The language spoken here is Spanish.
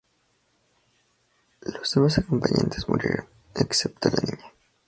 Los demás acompañantes murieron, excepto la niña.